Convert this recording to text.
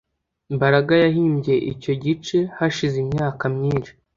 Mbaraga yahimbye icyo gice hashize imyaka myinshi